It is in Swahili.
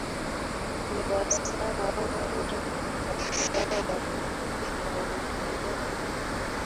ni wasaa mzuri kabisa wa rfi mahojiano